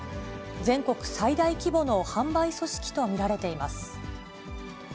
全国最大規模の販売組織と見られています。